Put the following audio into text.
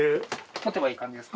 持てばいい感じですか？